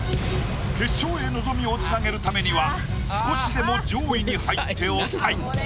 決勝へ望みをつなげるためには少しでも上位に入っておきたい。